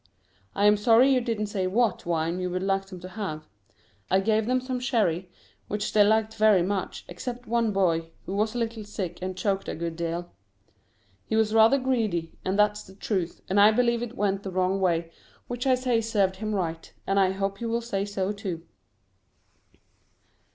I am sorry you didn't say what wine you would like them to have. I gave them some sherry, which they liked very much, except one boy, who was a little sick and choked a good deal. He was rather greedy, and that's the truth, and I believe it went the wrong way, which I say served him right, and I hope you will say so too.